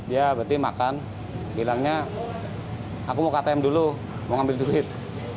ya berarti makan bilangnya aku mau ke atm dulu mau ambil duit